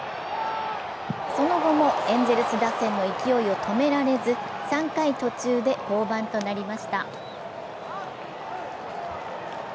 その後もエンゼルス打線の勢いを止められず３回途中で降板となりました。